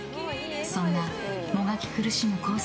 そんなもがき苦しむ洸佑